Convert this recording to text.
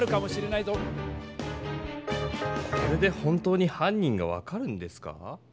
これで本当に犯人が分かるんですか？